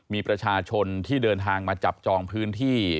มีประชาชนที่เดินทางมาจับจองพื้นที่